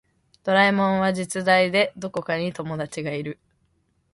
ドラえもんは実在でどこかに友達がいる